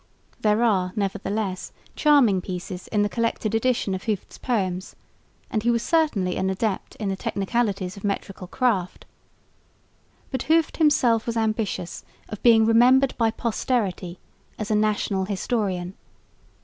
There are, nevertheless, charming pieces in the collected edition of Hooft's poems, and he was certainly an adept in the technicalities of metrical craft. But Hooft himself was ambitious of being remembered by posterity as a national historian.